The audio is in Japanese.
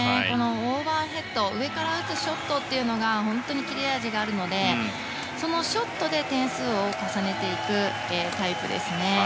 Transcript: オーバーヘッド上から打つショットに本当に切れ味があるのでそのショットで点数を重ねていくタイプですね。